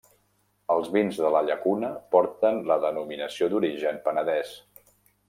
Els vins de la Llacuna porten la denominació d'origen Penedès.